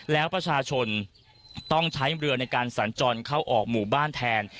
แล้วประชาชนต้องใช้เรือในการสัญจรเข้าออกหมู่บ้านแทน